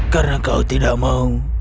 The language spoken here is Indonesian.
karena kau tidak mau